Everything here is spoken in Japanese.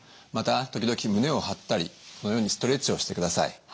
また時々胸を張ったりこのようにストレッチをしてください。